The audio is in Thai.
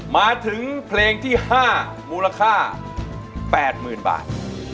มาถึงเพลงที่๕มูลค่า๘๐๐๐บาท